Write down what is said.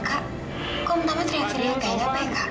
kau pertama teriak teriak ya nggak pak